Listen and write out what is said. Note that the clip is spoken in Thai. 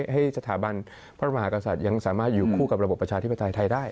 ให้สถาบันพระมหากษัตริย์ยังสามารถอยู่คู่กับระบบประชาธิปไตยไทยได้